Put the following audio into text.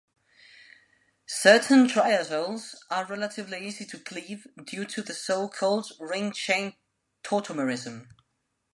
Certain triazoles are relatively easy to cleave due to so-called ring-chain tautomerism.